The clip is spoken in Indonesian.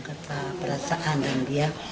kata perasaan dia